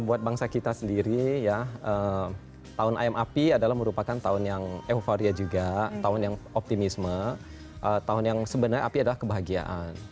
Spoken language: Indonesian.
buat bangsa kita sendiri ya tahun ayam api adalah merupakan tahun yang euforia juga tahun yang optimisme tahun yang sebenarnya api adalah kebahagiaan